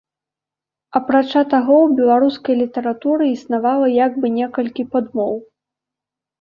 Апрача таго, у беларускай літаратуры існавала як бы некалькі падмоў.